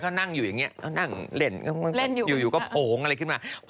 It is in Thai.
อย่างอยู่ก็โผงอะไรขึ้นมา